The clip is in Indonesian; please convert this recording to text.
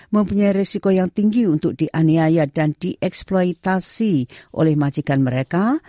mempunyai resiko yang tinggi untuk dianiaya dan dieksploitasi oleh majikan mereka